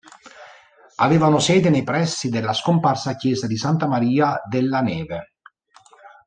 Avevano sede nei pressi della scomparsa Chiesa di Santa Maria della Neve.